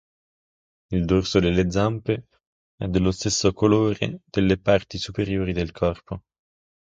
Il dorso delle zampe è dello stesso colore delle parti superiori del corpo.